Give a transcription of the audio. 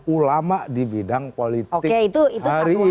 ulama di bidang politik hari ini